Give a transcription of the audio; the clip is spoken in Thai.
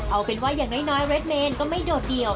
เอาเป็นว่าอย่างน้อยเรทเมนก็ไม่โดดเดี่ยว